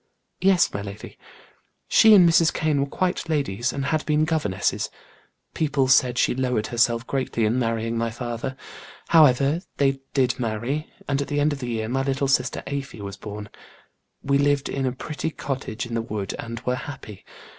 "Yes, my lady. She and Mrs. Kane were quite ladies; had been governesses. People said she lowered herself greatly in marrying my father. However, they did marry, and at the end of the year my little sister Afy was born. We lived in a pretty cottage in the wood and were happy.